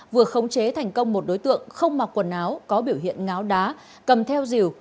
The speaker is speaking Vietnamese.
vừa khống chế thành công một đối tượng không mặc quần áo có biểu hiện ngáo đá cầm theo dìu